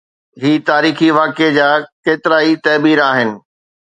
هر تاريخي واقعي جا ڪيترائي تعبير آهن.